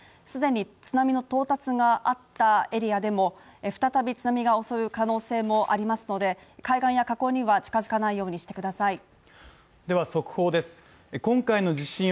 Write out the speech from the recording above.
既に津波の到達があったエリアでも再び津波が襲うという可能性もありますので、海岸や河口には近づかないようにしてください。